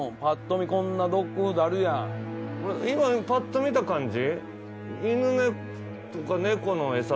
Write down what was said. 今ぱっと見た感じ。